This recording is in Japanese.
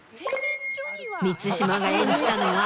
満島が演じたのは。